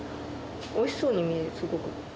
おいしそうに見える、すごく。